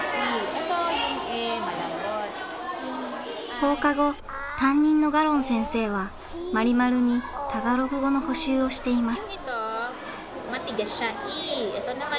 放課後担任のガロン先生はマリマルにタガログ語の補習をしています。